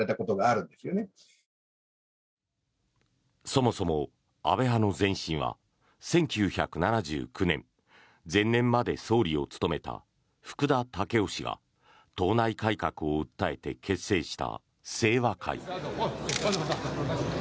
そもそも安倍派の前身は１９７９年前年まで総理を務めた福田赳夫氏が党内改革を訴えて結成した清和会。